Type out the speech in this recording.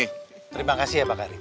terima kasih ya pak karim